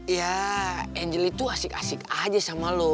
ya angel itu asik asik aja sama lo